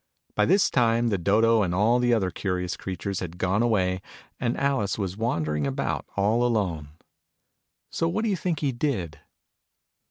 By this time the Dodo and all the other curious creatures had gone away, and Alice was wandering about all alone. So what do you think he did